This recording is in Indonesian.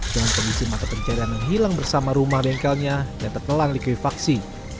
dengan kondisi mata pencarian yang hilang bersama rumah bengkelnya yang tertelang likuifaksi